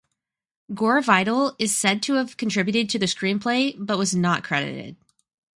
Gore Vidal is said to have contributed to the screenplay, but was not credited.